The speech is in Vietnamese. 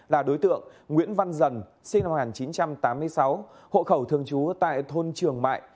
là đối tượng nguyễn văn dần sinh năm một nghìn chín trăm tám mươi sáu hộ khẩu thường trú tại thôn trường mại